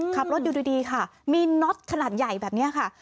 ขับรถอยู่ดีค่ะมีน็อตขนาดใหญ่แบบนี้ค่ะ